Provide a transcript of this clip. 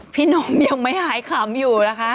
พี่นุ่มยังไม่หายขำอยู่ล่ะคะ